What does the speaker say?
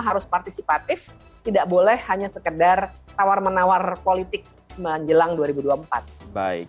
harus partisipatif tidak boleh hanya sekedar tawar menawar politik menjelang dua ribu dua puluh empat baik